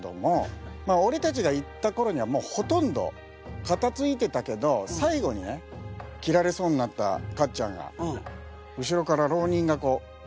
まあ俺たちが行った頃にはほとんど片づいてたけど最後にね斬られそうになったかっちゃんが後ろから浪人がこう斬りかかったわけだ。